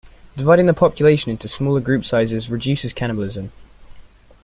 Dividing the population into smaller group sizes reduces cannibalism.